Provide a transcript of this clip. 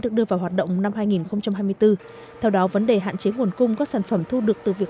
được đưa vào hoạt động năm hai nghìn hai mươi bốn theo đó vấn đề hạn chế nguồn cung các sản phẩm thu được từ việc